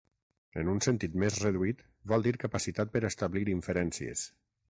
En un sentit més reduït, vol dir capacitat per a establir inferències.